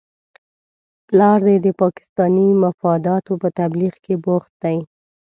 پلار دې د پاکستاني مفاداتو په تبلیغ کې بوخت دی؟